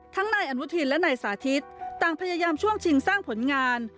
นายอนุทินและนายสาธิตต่างพยายามช่วงชิงสร้างผลงาน